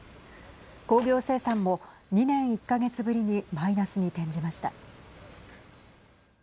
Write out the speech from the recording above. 工業生産も２年１か月ぶりにマイナスに転じました。